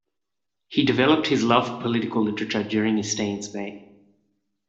He developed his love for political literature during his stay in Spain.